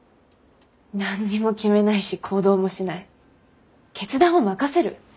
何にも決めないし行動もしない決断は任せる。